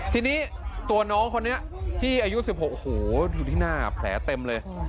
ทีนี้ตัวน้องคนนี้ที่อายุ๑๖โอ้โหอยู่ที่หน้าแผลเต็มเลย